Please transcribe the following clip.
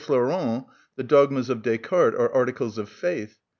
Flourens the dogmas of Descartes are articles of faith.